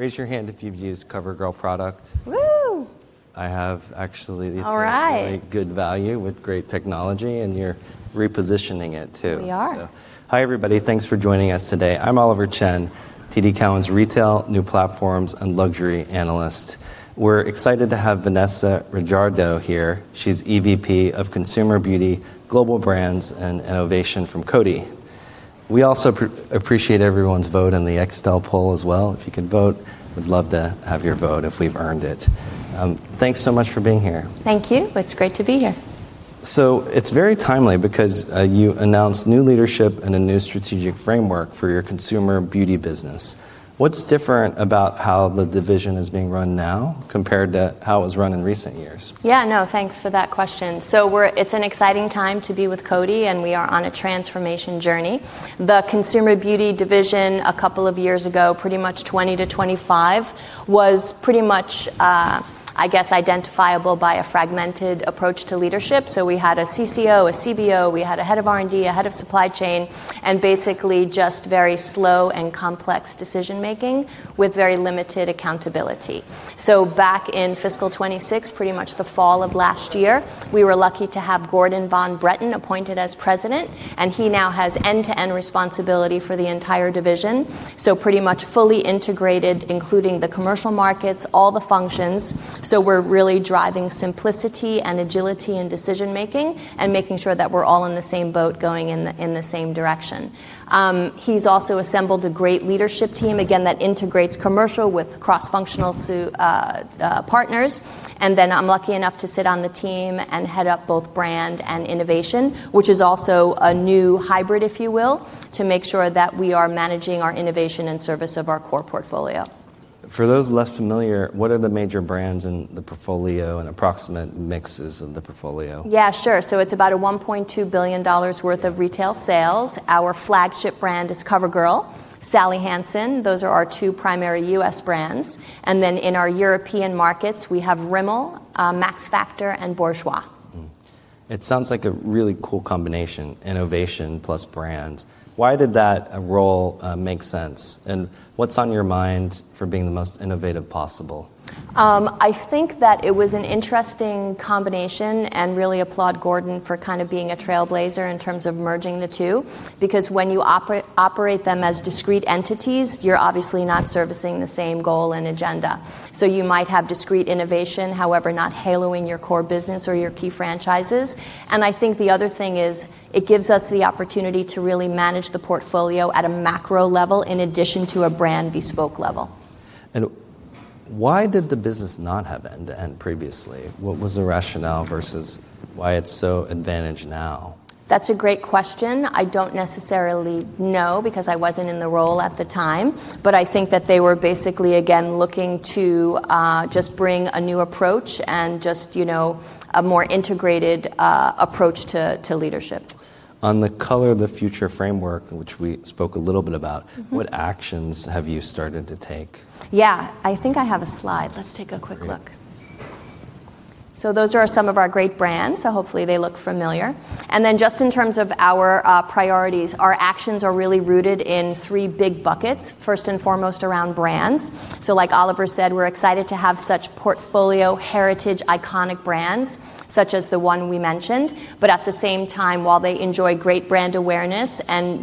Raise your hand if you've used COVERGIRL product? Whoo. I have, actually. All right. It's a great good value with great technology, and you're repositioning it, too. We are. Hi, everybody. Thanks for joining us today. I'm Oliver Chen, TD Cowen's retail, new platforms, and luxury analyst. We're excited to have Vanessa Reggiardo here. She's EVP, Consumer Beauty, Global Brands and Innovation, Coty. We also appreciate everyone's vote in the Extel poll as well. If you could vote, we'd love to have your vote if we've earned it. Thanks so much for being here. Thank you. It's great to be here. It's very timely because you announced new leadership and a new strategic framework for your Consumer Beauty business. What's different about how the division is being run now compared to how it was run in recent years? Yeah, no, thanks for that question. It's an exciting time to be with Coty, and we are on a transformation journey. The Consumer Beauty division a couple of years ago, pretty much 2020-2025, was pretty much, I guess, identifiable by a fragmented approach to leadership. We had a CCO, a CBO, we had a head of R&D, a head of supply chain, and basically just very slow and complex decision-making with very limited accountability. Back in fiscal 2026, pretty much the fall of last year, we were lucky to have Gordon von Bretten appointed as President, and he now has end-to-end responsibility for the entire division. Pretty much fully integrated, including the commercial markets, all the functions. We're really driving simplicity and agility in decision-making and making sure that we're all in the same boat going in the same direction. He's also assembled a great leadership team, again, that integrates commercial with cross-functional partners. I'm lucky enough to sit on the team and head up both brand and innovation, which is also a new hybrid, if you will, to make sure that we are managing our innovation and service of our core portfolio. For those less familiar, what are the major brands in the portfolio and approximate mixes of the portfolio? Yeah, sure. It's about a $1.2 billion worth of retail sales. Our flagship brand is COVERGIRL, Sally Hansen. Those are our two primary U.S. brands. In our European markets, we have Rimmel, Max Factor, and Bourjois. It sounds like a really cool combination, innovation plus brand. Why did that role make sense, and what's on your mind for being the most innovative possible? I think that it was an interesting combination and really applaud Gordon von Bretten for being a trailblazer in terms of merging the two, because when you operate them as discrete entities, you're obviously not servicing the same goal and agenda. You might have discrete innovation, however, not haloing your core business or your key franchises. I think the other thing is it gives us the opportunity to really manage the portfolio at a macro level in addition to a brand bespoke level. Why did the business not have end-to-end previously? What was the rationale versus why it's so advantage now? That's a great question. I don't necessarily know because I wasn't in the role at the time, but I think that they were basically, again, looking to just bring a new approach and just a more integrated approach to leadership. On the Color the Future framework, which we spoke a little bit about. What actions have you started to take? Yeah. I think I have a slide. Let's take a quick look. Great. Those are some of our great brands. Then just in terms of our priorities, our actions are really rooted in three big buckets, first and foremost around brands. Like Oliver said, we're excited to have such portfolio heritage iconic brands, such as the one we mentioned. At the same time, while they enjoy great brand awareness and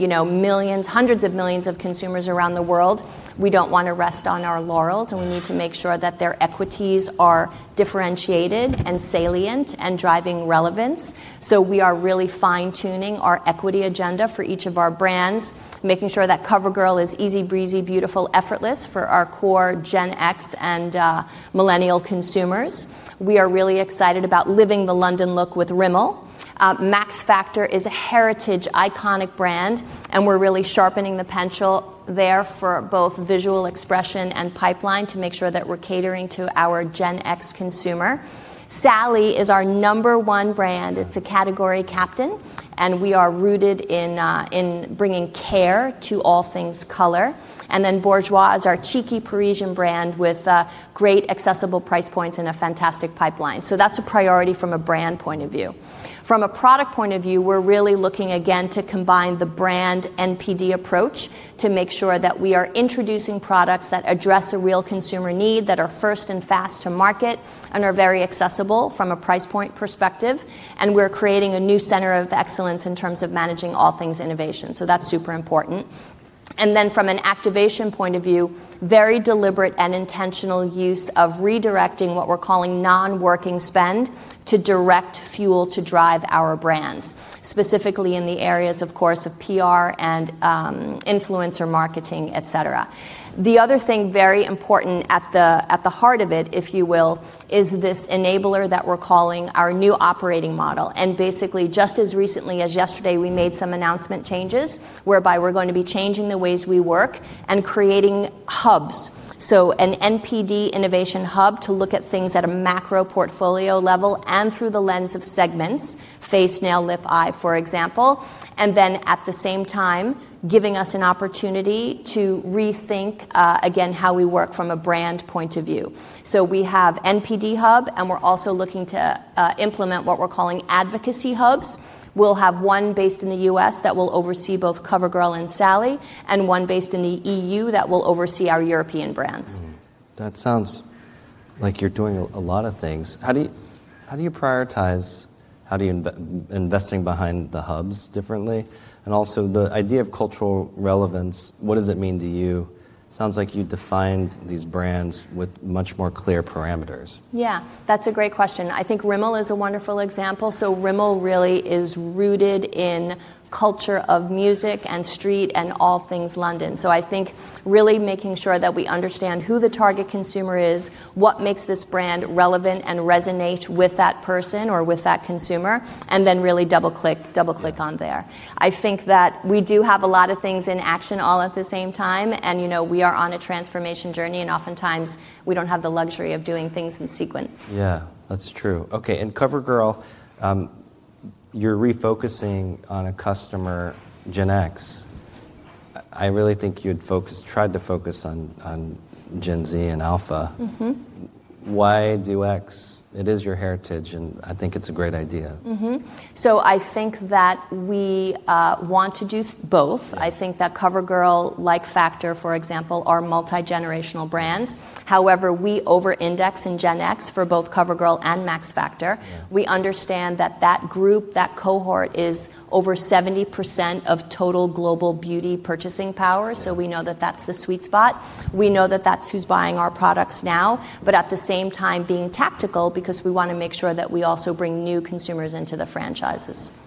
hundreds of millions of consumers around the world, we don't want to rest on our laurels, and we need to make sure that their equities are differentiated and salient and driving relevance. We are really fine-tuning our equity agenda for each of our brands, making sure that COVERGIRL is easy, breezy, beautiful, effortless for our core Gen X and millennial consumers. We are really excited about Living the London Look with Rimmel. Max Factor is a heritage iconic brand. We're really sharpening the pencil there for both visual expression and pipeline to make sure that we're catering to our Gen X consumer. Sally is our number one brand. It's a category captain. We are rooted in bringing care to all things color. Bourjois is our cheeky Parisian brand with great accessible price points and a fantastic pipeline. That's a priority from a brand point of view. From a product point of view, we're really looking, again, to combine the brand NPD approach to make sure that we are introducing products that address a real consumer need, that are first and fast to market, and are very accessible from a price point perspective. We're creating a new center of excellence in terms of managing all things innovation. That's super important. From an activation point of view, very deliberate and intentional use of redirecting what we're calling non-working spend to direct fuel to drive our brands, specifically in the areas, of course, of PR and influencer marketing, etc. The other thing very important at the heart of it, if you will, is this enabler that we're calling our new operating model. Just as recently as yesterday, we made some announcement changes whereby we're going to be changing the ways we work and creating hubs. An NPD innovation hub to look at things at a macro portfolio level and through the lens of segments, face, nail, lip, eye, for example. At the same time, giving us an opportunity to rethink, again, how we work from a brand point of view. We have NPD hub, and we're also looking to implement what we're calling advocacy hubs. We'll have one based in the U.S. that will oversee both COVERGIRL and Sally, and one based in the E.U. that will oversee our European brands. You're doing a lot of things. How do you prioritize investing behind the hubs differently? The idea of cultural relevance, what does it mean to you? It sounds like you defined these brands with much more clear parameters. Yeah. That's a great question. I think Rimmel is a wonderful example. Rimmel really is rooted in culture of music, and street, and all things London. I think really making sure that we understand who the target consumer is, what makes this brand relevant and resonate with that person or with that consumer, and then really double-click on there. I think that we do have a lot of things in action all at the same time, and we are on a transformation journey, and oftentimes we don't have the luxury of doing things in sequence. Yeah. That's true. Okay, COVERGIRL, you're refocusing on a customer, Gen X. I really think you had tried to focus on Gen Z and Alpha. Why do X? It is your heritage, and I think it's a great idea. Mm-hmm. I think that we want to do both. Yeah. I think that COVERGIRL, like Factor, for example, are multi-generational brands. We over-index in Gen X for both COVERGIRL and Max Factor. Yeah. We understand that that group, that cohort, is over 70% of total global beauty purchasing power. Yeah We know that that's the sweet spot. We know that that's who's buying our products now. At the same time, being tactical because we want to make sure that we also bring new consumers into the franchises.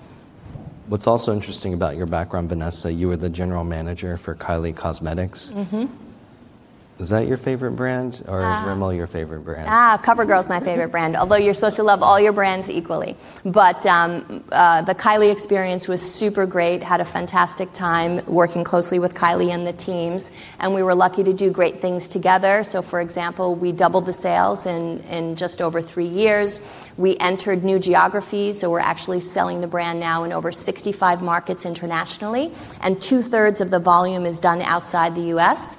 What's also interesting about your background, Vanessa, you were the General Manager for Kylie Cosmetics. Is that your favorite brand, or is Rimmel your favorite brand? COVERGIRL's my favorite brand, although you're supposed to love all your brands equally. The Kylie experience was super great, had a fantastic time working closely with Kylie and the teams, we were lucky to do great things together. For example, we doubled the sales in just over three years. We entered new geographies, we're actually selling the brand now in over 65 markets internationally, and two-thirds of the volume is done outside the U.S.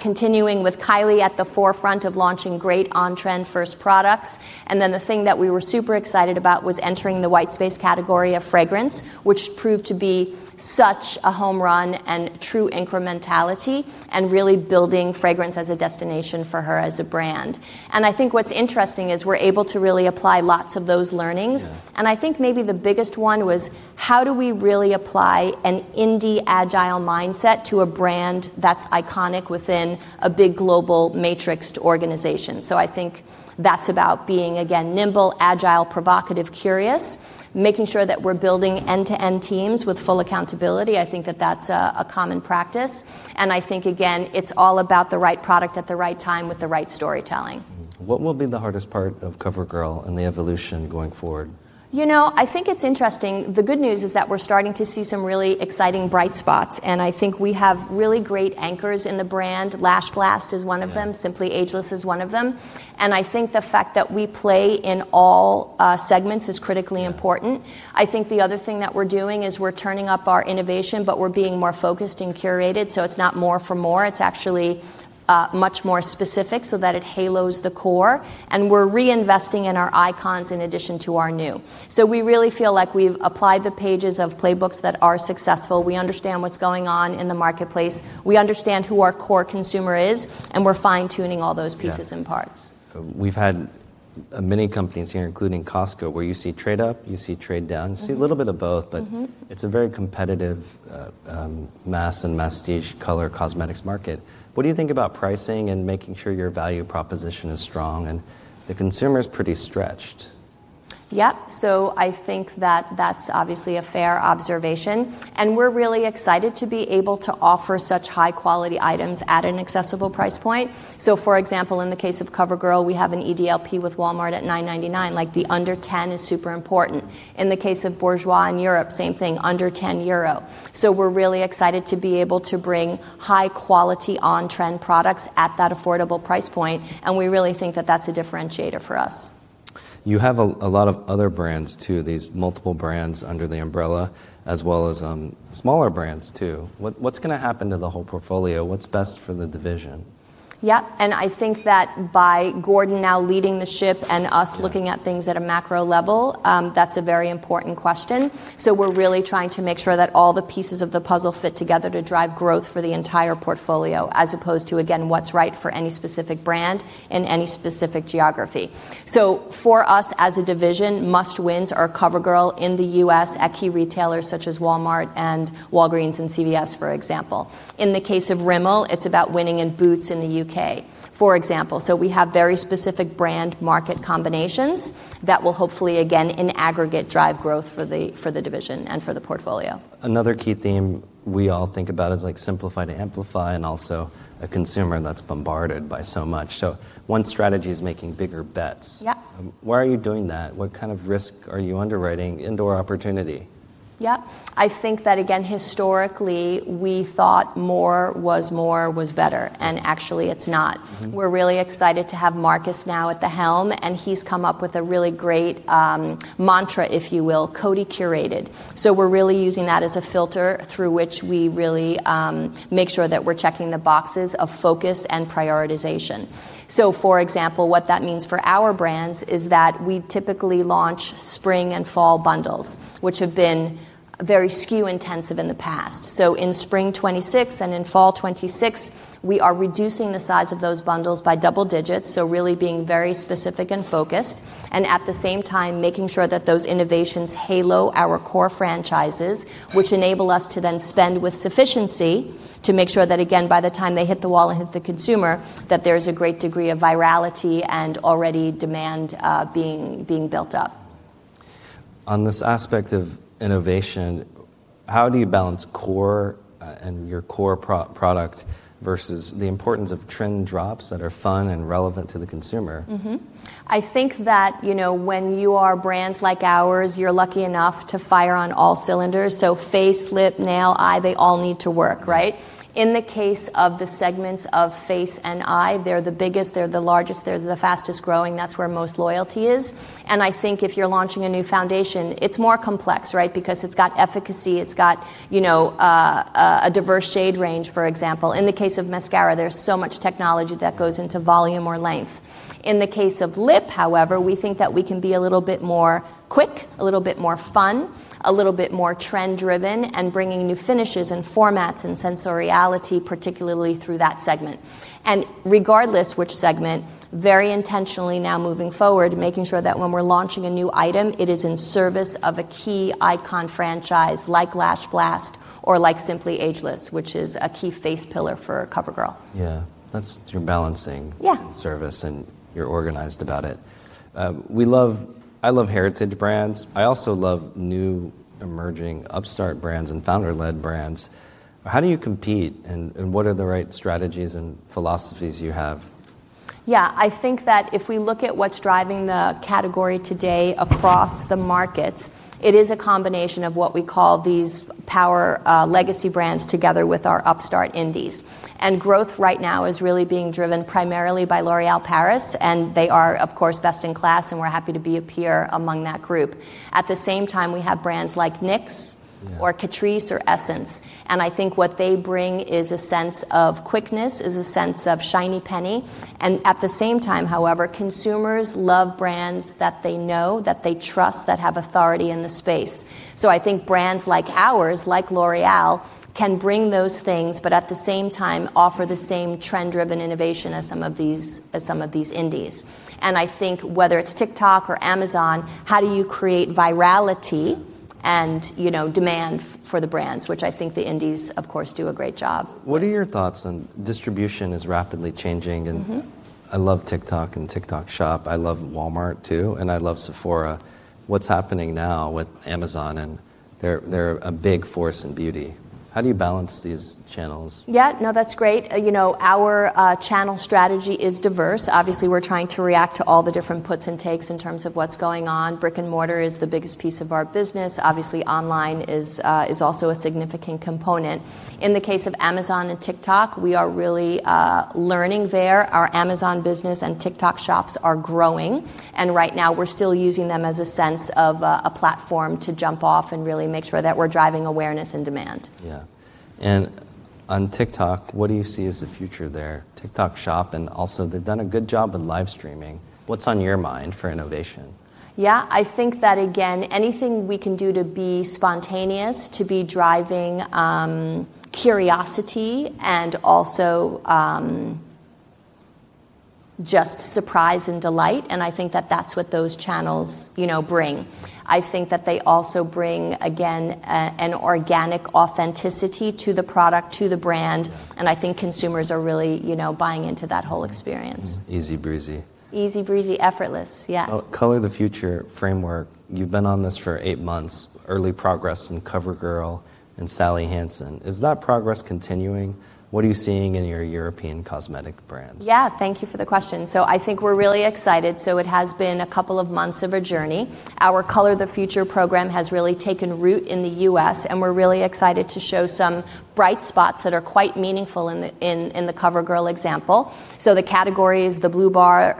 Continuing with Kylie at the forefront of launching great on-trend first products, the thing that we were super excited about was entering the white space category of fragrance, which proved to be such a home run and true incrementality, really building fragrance as a destination for her as a brand. I think what's interesting is we're able to really apply lots of those learnings. Yeah. I think maybe the biggest one was how do we really apply an indie agile mindset to a brand that's iconic within a big global matrixed organization. I think that's about being, again, nimble, agile, provocative, curious, making sure that we're building end-to-end teams with full accountability. I think that that's a common practice, and I think, again, it's all about the right product at the right time with the right storytelling. What will be the hardest part of COVERGIRL and the evolution going forward? I think it's interesting. The good news is that we're starting to see some really exciting bright spots, and I think we have really great anchors in the brand. Lash Blast is one of them. Yeah. Simply Ageless is one of them. I think the fact that we play in all segments is critically important. Yeah. I think the other thing that we're doing is we're turning up our innovation, but we're being more focused and curated, so it's not more for more. It's actually much more specific so that it halos the core. We're reinvesting in our icons in addition to our new. We really feel like we've applied the pages of playbooks that are successful. We understand what's going on in the marketplace, we understand who our core consumer is, and we're fine-tuning all those pieces. Yeah parts. We've had many companies here, including Costco, where you see trade up, you see trade down. You see a little bit of both. It's a very competitive mass and masstige color cosmetics market. What do you think about pricing and making sure your value proposition is strong? The consumer's pretty stretched. Yep. I think that that's obviously a fair observation, and we're really excited to be able to offer such high-quality items at an accessible price point. For example, in the case of COVERGIRL, we have an EDLP with Walmart at $9.99. The under 10 is super important. In the case of Bourjois in Europe, same thing, under 10 euro. We're really excited to be able to bring high-quality, on-trend products at that affordable price point, and we really think that that's a differentiator for us. You have a lot of other brands, too, these multiple brands under the umbrella, as well as smaller brands, too. What's going to happen to the whole portfolio? What's best for the division? Yeah. I think that by Gordon now leading the ship and us- Yeah looking at things at a macro level, that's a very important question. We're really trying to make sure that all the pieces of the puzzle fit together to drive growth for the entire portfolio, as opposed to, again, what's right for any specific brand in any specific geography. For us as a division, must-wins are COVERGIRL in the U.S. at key retailers such as Walmart, and Walgreens, and CVS, for example. In the case of Rimmel, it's about winning in Boots in the U.K., for example. We have very specific brand market combinations that will hopefully, again, in aggregate, drive growth for the division and for the portfolio. Another key theme we all think about is simplify to amplify, and also a consumer that's bombarded by so much. One strategy is making bigger bets. Yep. Why are you doing that? What kind of risk are you underwriting into our opportunity? Yep. I think that, again, historically, we thought more was more was better, and actually it's not. We're really excited to have Markus now at the helm, and he's come up with a really great mantra, if you will, Coty Curated. We're really using that as a filter through which we really make sure that we're checking the boxes of focus and prioritization. For example, what that means for our brands is that we typically launch spring and fall bundles, which have been very SKU-intensive in the past. In spring 2026 and in fall 2026, we are reducing the size of those bundles by double digits, really being very specific and focused. At the same time, making sure that those innovations halo our core franchises, which enable us to then spend with sufficiency. To make sure that, again, by the time they hit the wall and hit the consumer, that there's a great degree of virality and already demand being built up. On this aspect of innovation, how do you balance core and your core product versus the importance of trend drops that are fun and relevant to the consumer? I think that when you are brands like ours, you're lucky enough to fire on all cylinders. Face, lip, nail, eye, they all need to work, right? In the case of the segments of face and eye, they're the biggest, they're the largest, they're the fastest-growing, that's where most loyalty is. I think if you're launching a new foundation, it's more complex, right? Because it's got efficacy, it's got a diverse shade range, for example. In the case of mascara, there's so much technology that goes into volume or length. In the case of lip, however, we think that we can be a little bit more quick, a little bit more fun, a little bit more trend-driven, and bringing new finishes and formats and sensoriality, particularly through that segment. Regardless which segment, very intentionally now moving forward, making sure that when we're launching a new item, it is in service of a key icon franchise like Lash Blast or like Simply Ageless, which is a key face pillar for COVERGIRL. Yeah. That's you're balancing. Yeah service, and you're organized about it. I love heritage brands. I also love new, emerging, upstart brands, and founder-led brands. How do you compete, and what are the right strategies and philosophies you have? Yeah. I think that if we look at what's driving the category today across the markets, it is a combination of what we call these power legacy brands together with our upstart indies. Growth right now is really being driven primarily by L'Oréal Paris, and they are, of course, best in class, and we're happy to be a peer among that group. At the same time, we have brands like NYX. Yeah or Catrice or Essence, I think what they bring is a sense of quickness, is a sense of shiny penny. At the same time, however, consumers love brands that they know, that they trust, that have authority in the space. I think brands like ours, like L'Oréal, can bring those things, but at the same time, offer the same trend-driven innovation as some of these indies. I think whether it's TikTok or Amazon, how do you create virality and demand for the brands? Which I think the indies, of course, do a great job. What are your thoughts on distribution is rapidly changing. I love TikTok and TikTok Shop. I love Walmart too. I love Sephora. What's happening now with Amazon? They're a big force in beauty. How do you balance these channels? Yeah. No, that's great. Our channel strategy is diverse. Obviously, we're trying to react to all the different puts and takes in terms of what's going on. Brick-and-mortar is the biggest piece of our business. Obviously, online is also a significant component. In the case of Amazon and TikTok, we are really learning there. Our Amazon business and TikTok Shops are growing, and right now we're still using them as a sense of a platform to jump off and really make sure that we're driving awareness and demand. Yeah. On TikTok, what do you see as the future there? TikTok Shop, and also they've done a good job in live streaming. What's on your mind for innovation? I think that, again, anything we can do to be spontaneous, to be driving curiosity, and also just surprise and delight, and I think that that's what those channels bring. I think that they also bring, again, an organic authenticity to the product, to the brand, and I think consumers are really buying into that whole experience. Easy breezy. Easy breezy, effortless. Yes. Color the Future framework, you've been on this for eight months. Early progress in COVERGIRL and Sally Hansen. Is that progress continuing? What are you seeing in your European cosmetic brands? Yeah. Thank you for the question. I think we're really excited. It has been a couple of months of a journey. Our Color the Future program has really taken root in the U.S., and we're really excited to show some bright spots that are quite meaningful in the COVERGIRL example. The category is the blue bar,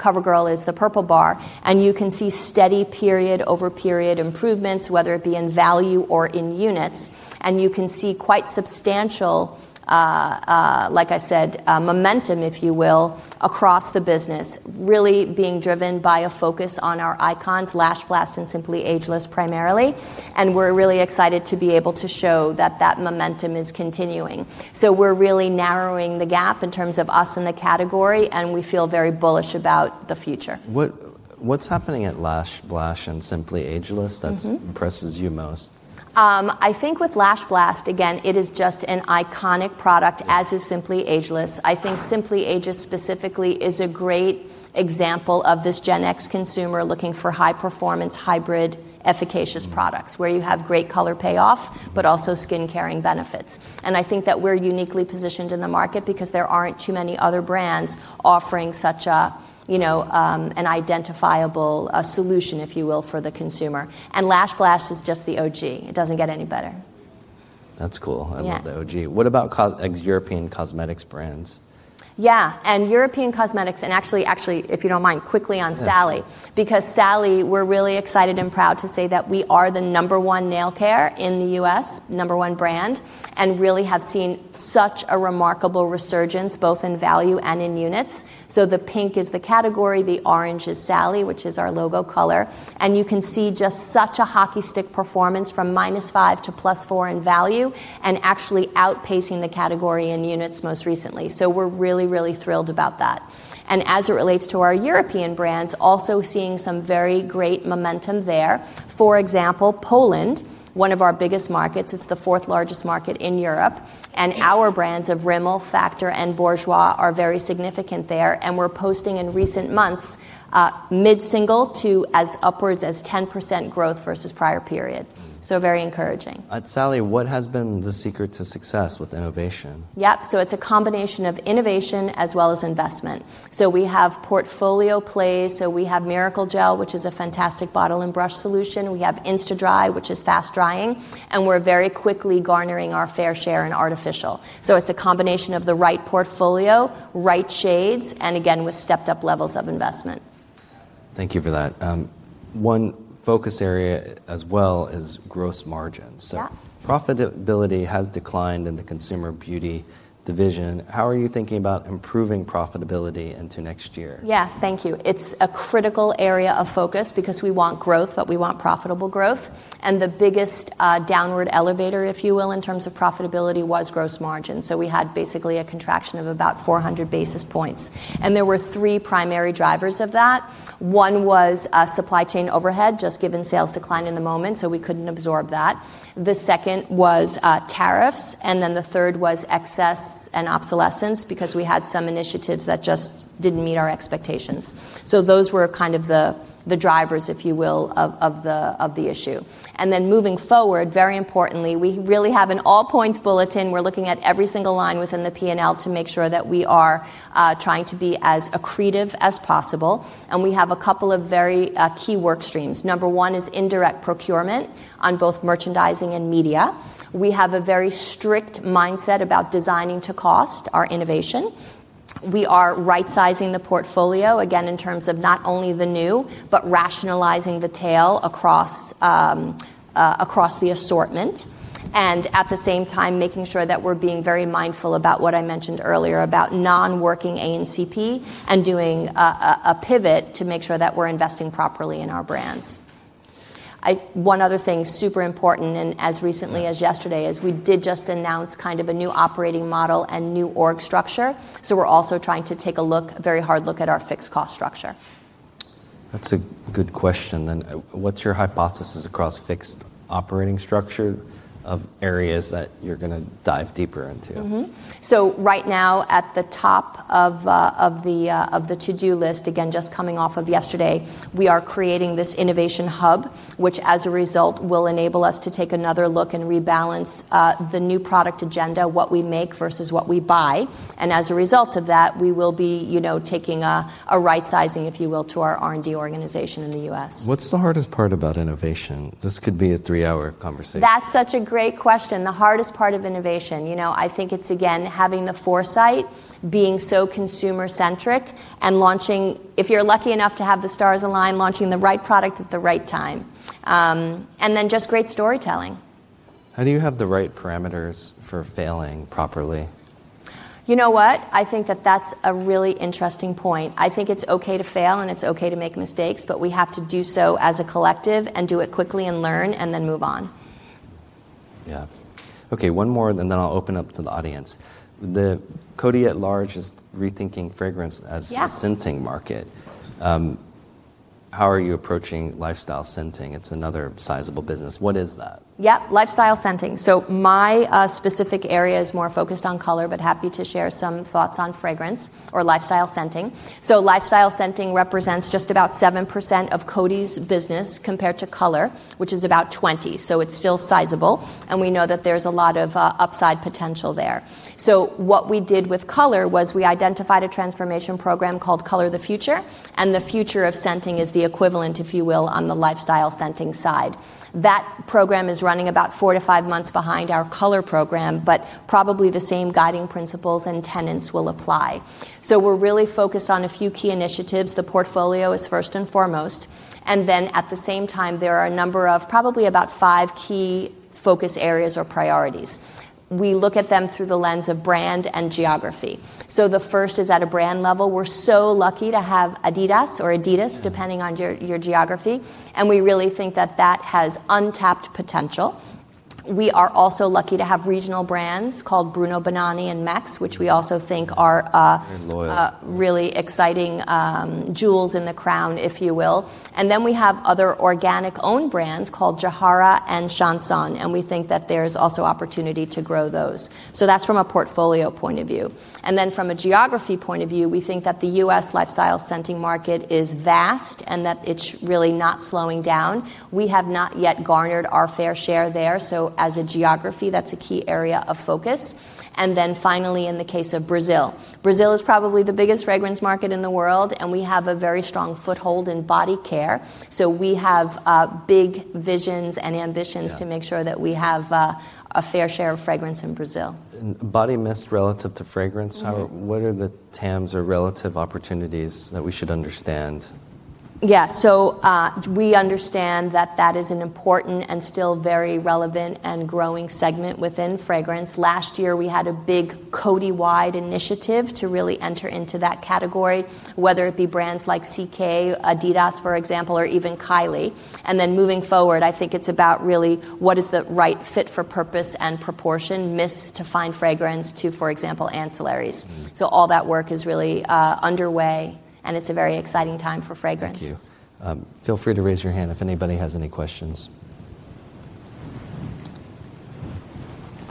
COVERGIRL is the purple bar, and you can see steady period over period improvements, whether it be in value or in units. You can see quite substantial, like I said, momentum, if you will, across the business, really being driven by a focus on our icons, Lash Blast and Simply Ageless, primarily. We're really excited to be able to show that that momentum is continuing. We're really narrowing the gap in terms of us in the category, and we feel very bullish about the future. What's happening at Lash Blast and Simply Ageless? that impresses you most? I think with Lash Blast, again, it is just an iconic product, as is Simply Ageless. I think Simply Ageless specifically is a great example of this Gen X consumer looking for high-performance, hybrid, efficacious products, where you have great color payoff, but also skin-caring benefits. I think that we're uniquely positioned in the market because there aren't too many other brands offering such an identifiable solution, if you will, for the consumer. Lash Blast is just the OG. It doesn't get any better. That's cool. Yeah. I love the OG. What about European cosmetics brands? Yeah. European cosmetics, and actually, if you don't mind, quickly on Sally. Yeah. Sally Hansen, we're really excited and proud to say that we are the number one nail care in the U.S., number one brand, really have seen such a remarkable resurgence, both in value and in units. The pink is the category, the orange is Sally Hansen, which is our logo color. You can see just such a hockey stick performance from -5% to +4% in value, actually outpacing the category in units most recently. We're really thrilled about that. As it relates to our European brands, also seeing some very great momentum there. For example, Poland, one of our biggest markets. It's the fourth-largest market in Europe, our brands of Rimmel, Max Factor, and Bourjois are very significant there, we're posting, in recent months, mid-single to as upwards as 10% growth versus prior period. Very encouraging. At Sally, what has been the secret to success with innovation? Yep. It's a combination of innovation as well as investment. We have portfolio plays. We have Miracle Gel, which is a fantastic bottle and brush solution. We have Insta-Dri, which is fast-drying, and we're very quickly garnering our fair share in artificial. It's a combination of the right portfolio, right shades, and again, with stepped-up levels of investment. Thank you for that. One focus area as well is gross margin. Yeah. Profitability has declined in the Consumer Beauty division. How are you thinking about improving profitability into next year? Yeah. Thank you. It's a critical area of focus because we want growth, we want profitable growth, the biggest downward elevator, if you will, in terms of profitability, was gross margin. We had basically a contraction of about 400 basis points, there were three primary drivers of that. One was supply chain overhead, just given sales decline in the moment, we couldn't absorb that. The second was tariffs, the third was excess and obsolescence because we had some initiatives that just didn't meet our expectations. Those were kind of the drivers, if you will, of the issue. Moving forward, very importantly, we really have an all-points bulletin. We're looking at every single line within the P&L to make sure that we are trying to be as accretive as possible, we have a couple of very key work streams. Number one is indirect procurement on both merchandising and media. We have a very strict mindset about designing to cost our innovation. We are right-sizing the portfolio, again, in terms of not only the new, but rationalizing the tail across the assortment. At the same time, making sure that we're being very mindful about what I mentioned earlier about non-working A&P, and doing a pivot to make sure that we're investing properly in our brands. One other thing, super important. Yeah as yesterday, is we did just announce kind of a new operating model and new org structure. We're also trying to take a very hard look at our fixed cost structure. That's a good question, what's your hypothesis across fixed operating structure of areas that you're going to dive deeper into? Right now, at the top of the to-do list, again, just coming off of yesterday, we are creating this innovation hub, which, as a result, will enable us to take another look and rebalance the new product agenda, what we make versus what we buy. As a result of that, we will be taking a right-sizing, if you will, to our R&D organization in the U.S. What's the hardest part about innovation? This could be a three-hour conversation. That's such a great question. The hardest part of innovation. I think it's, again, having the foresight, being so consumer-centric, and if you're lucky enough to have the stars align, launching the right product at the right time. Just great storytelling. How do you have the right parameters for failing properly? You know what. I think that that's a really interesting point. I think it's okay to fail and it's okay to make mistakes, but we have to do so as a collective, and do it quickly and learn, and then move on. Yeah. Okay, one more, and then I'll open up to the audience. Coty at large is rethinking fragrance. Yeah a scenting market. How are you approaching lifestyle scenting? It's another sizable business. What is that? Yep. Lifestyle scenting. My specific area is more focused on Color, but happy to share some thoughts on fragrance or lifestyle scenting. Lifestyle scenting represents just about 7% of Coty's business compared to Color, which is about 20%. It's still sizable, and we know that there's a lot of upside potential there. What we did with Color was we identified a transformation program called Color the Future, and the future of scenting is the equivalent, if you will, on the lifestyle scenting side. That program is running about four to five months behind our Color program, but probably the same guiding principles and tenets will apply. We're really focused on a few key initiatives. The portfolio is first and foremost, and then at the same time, there are a number of probably about five key focus areas or priorities. We look at them through the lens of brand and geography. The first is at a brand level. We're so lucky to have Adidas or Adidas, depending on your geography, and we really think that that has untapped potential. We are also lucky to have regional brands called Bruno Banani and Mexx, which we also think are. They're loyal. really exciting jewels in the crown, if you will. We have other organic own brands called Jovan and Jean Paul, and we think that there's also opportunity to grow those. That's from a portfolio point of view. From a geography point of view, we think that the U.S. lifestyle scenting market is vast and that it's really not slowing down. We have not yet garnered our fair share there, so as a geography, that's a key area of focus. Finally, in the case of Brazil is probably the biggest fragrance market in the world, and we have a very strong foothold in body care, so we have big visions and ambitions. Yeah to make sure that we have a fair share of fragrance in Brazil. Body mist relative to fragrance. what are the TAMs or relative opportunities that we should understand? Yeah. We understand that that is an important and still very relevant and growing segment within fragrance. Last year, we had a big Coty-wide initiative to really enter into that category, whether it be brands like CK, Adidas, for example, or even Kylie. Moving forward, I think it's about really what is the right fit for purpose and proportion, mists to fine fragrance to, for example, ancillaries. All that work is really underway, and it's a very exciting time for fragrance. Thank you. Feel free to raise your hand if anybody has any questions.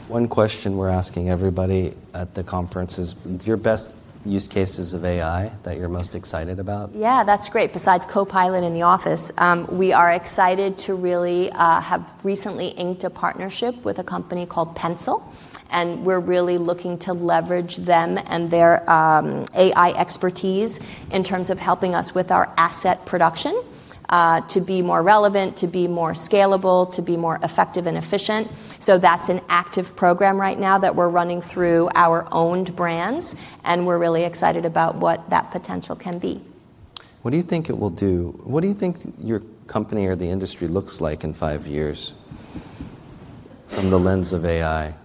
One question we're asking everybody at the conference is your best use cases of AI that you're most excited about. Yeah, that's great. Besides Copilot in the office, we are excited to really have recently inked a partnership with a company called Pencil, and we're really looking to leverage them and their AI expertise in terms of helping us with our asset production, to be more relevant, to be more scalable, to be more effective and efficient. That's an active program right now that we're running through our owned brands, and we're really excited about what that potential can be. What do you think your company or the industry looks like in five years from the lens of AI?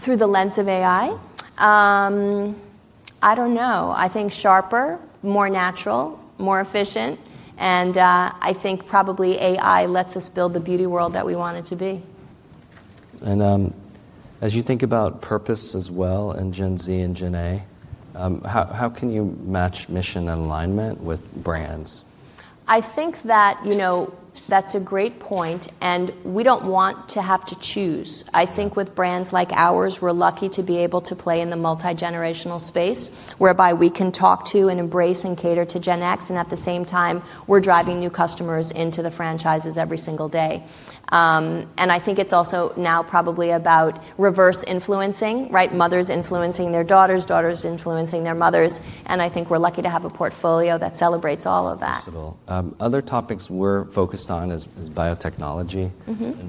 Through the lens of AI? I don't know. I think sharper, more natural, more efficient, and I think probably AI lets us build the beauty world that we want it to be. As you think about purpose as well in Gen Z and Gen A, how can you match mission alignment with brands? I think that's a great point, and we don't want to have to choose. Yeah. I think with brands like ours, we're lucky to be able to play in the multigenerational space, whereby we can talk to and embrace and cater to Gen X, at the same time, we're driving new customers into the franchises every single day. I think it's also now probably about reverse influencing, right? Mothers influencing their daughters influencing their mothers, I think we're lucky to have a portfolio that celebrates all of that. First of all, other topics we're focused on is biotechnology.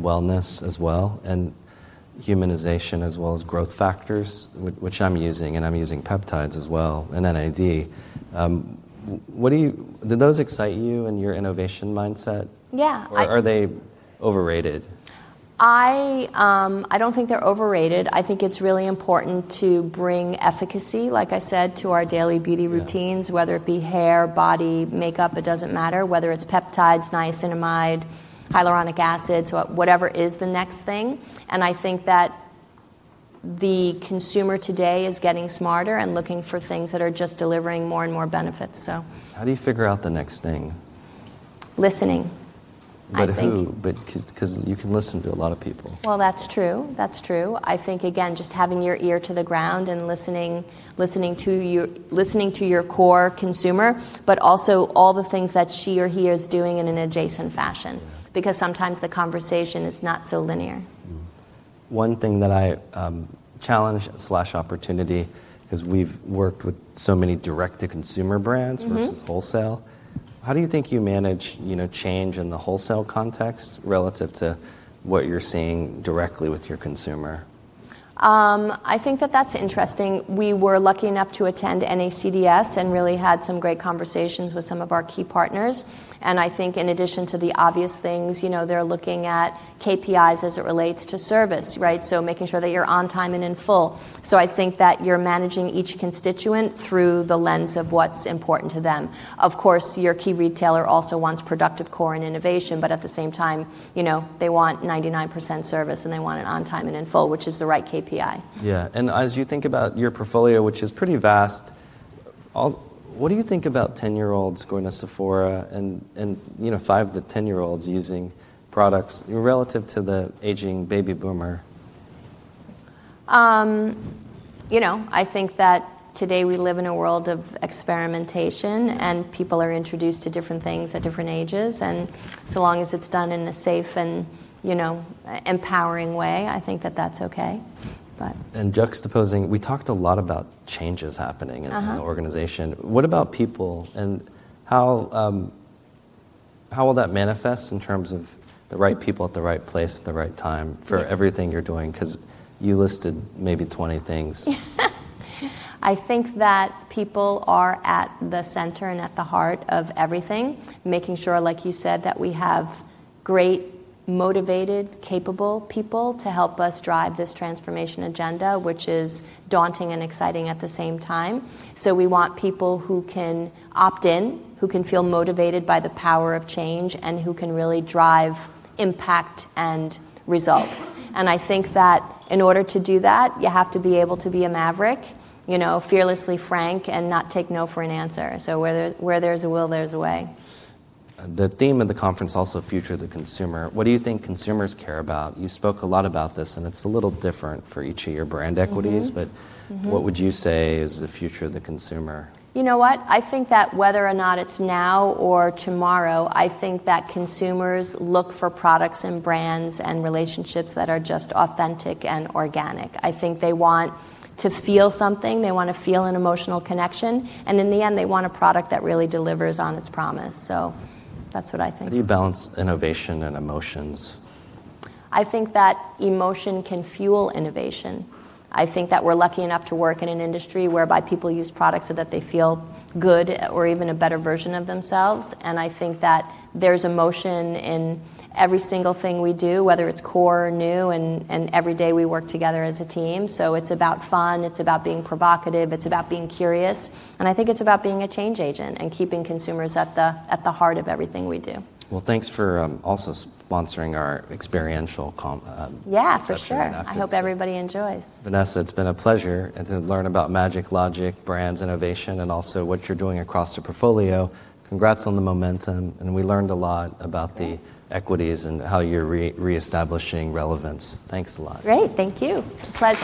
Wellness as well, and humanization as well as growth factors, which I'm using, and I'm using peptides as well, and NAD. Do those excite you and your innovation mindset? Yeah. Are they overrated? I don't think they're overrated. I think it's really important to bring efficacy, like I said, to our daily beauty routines. Yeah whether it be hair, body, makeup, it doesn't matter. Whether it's peptides, niacinamide, hyaluronic acids, whatever is the next thing. I think that the consumer today is getting smarter and looking for things that are just delivering more and more benefits. How do you figure out the next thing? Listening- Who? I think. Because you can listen to a lot of people. That's true. I think, again, just having your ear to the ground and listening to your core consumer, but also all the things that she or he is doing in an adjacent fashion. Yeah. Sometimes the conversation is not so linear. One thing that I challenge/opportunity, because we've worked with so many direct-to-consumer brands. versus wholesale, how do you think you manage change in the wholesale context relative to what you're seeing directly with your consumer? I think that that's interesting. We were lucky enough to attend NACDS and really had some great conversations with some of our key partners. I think in addition to the obvious things, they're looking at KPIs as it relates to service, right? Making sure that you're on time and in full. I think that you're managing each constituent through the lens of what's important to them. Of course, your key retailer also wants productive core and innovation. At the same time, they want 99% service and they want it on time and in full, which is the right KPI. Yeah. As you think about your portfolio, which is pretty vast, what do you think about 10-year-olds going to Sephora, and five to 10-year-olds using products relative to the aging baby boomer? I think that today we live in a world of experimentation, and people are introduced to different things at different ages. So long as it's done in a safe and empowering way, I think that that's okay. Juxtaposing, we talked a lot about changes happening. in the organization. What about people, how will that manifest in terms of the right people at the right place at the right time? Yeah for everything you're doing? Because you listed maybe 20 things. I think that people are at the center and at the heart of everything. Making sure, like you said, that we have great, motivated, capable people to help us drive this transformation agenda, which is daunting and exciting at the same time. We want people who can opt in, who can feel motivated by the power of change, and who can really drive impact and results. I think that in order to do that, you have to be able to be a maverick, fearlessly frank, and not take no for an answer. Where there's a will, there's a way. The theme of the conference, also Future of the Consumer, what do you think consumers care about? You spoke a lot about this, and it's a little different for each of your brand equities. What would you say is the future of the consumer? You know what? I think that whether or not it's now or tomorrow, I think that consumers look for products and brands and relationships that are just authentic and organic. I think they want to feel something. They want to feel an emotional connection, and in the end, they want a product that really delivers on its promise. That's what I think. How do you balance innovation and emotions? I think that emotion can fuel innovation. I think that we're lucky enough to work in an industry whereby people use products so that they feel good or even a better version of themselves. I think that there's emotion in every single thing we do, whether it's core or new. Every day we work together as a team. It's about fun. It's about being provocative. It's about being curious. I think it's about being a change agent and keeping consumers at the heart of everything we do. Well, thanks for also sponsoring our experiential. Yeah, for sure. reception afterwards. I hope everybody enjoys. Vanessa, it's been a pleasure, and to learn about magic, logic, brands, innovation, and also what you're doing across the portfolio. Congrats on the momentum, and we learned a lot. Yeah equities and how you're reestablishing relevance. Thanks a lot. Great. Thank you. Pleasure.